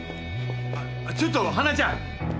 あっちょっと花恵ちゃん！